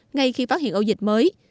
ngay khi phát hiện ổ dịch mới